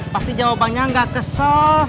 pasti jawabannya gak kesel